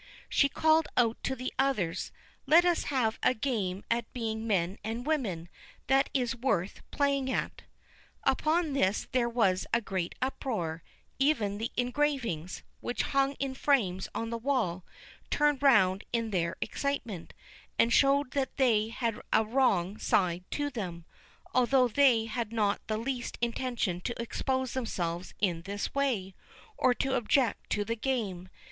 She called out to the others: "Let us have a game at being men and women; that is worth playing at." Upon this there was a great uproar; even the engravings, which hung in frames on the wall, turned round in their excitement, and showed that they had a wrong side to them, although they had not the least intention to expose themselves in this way, or to object to the game.